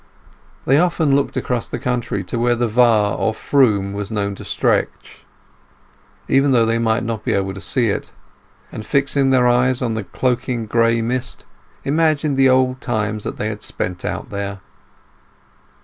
They often looked across the country to where the Var or Froom was known to stretch, even though they might not be able to see it; and, fixing their eyes on the cloaking gray mist, imagined the old times they had spent out there.